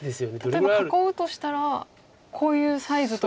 例えば囲うとしたらこういうサイズという。